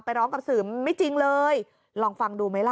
ร้องกับสื่อไม่จริงเลยลองฟังดูไหมล่ะ